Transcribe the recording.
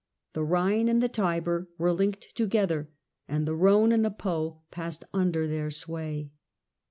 The Ehine and the Tiber were linked together, and the Khone and the Po passed under their sway.